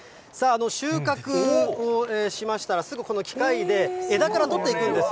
収穫をしましたら、すぐこの機械で枝から取っていくんです。